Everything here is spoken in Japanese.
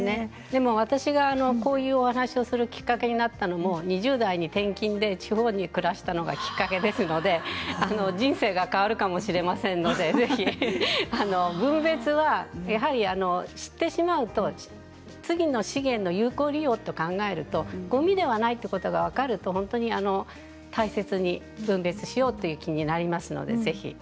私がこういうお話をするきっかけになったのも２０代に転勤で地方で暮らしたのがきっかけですので人生が変わるかもしれませんので分別は知ってしまうと次の資源の有効利用と考えるとごみではないということが分かると本当に大切に分別しようという気になりますので。